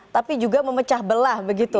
tapi juga memecah belah begitu